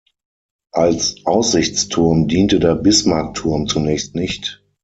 Als Aussichtsturm diente der Bismarckturm zunächst nicht.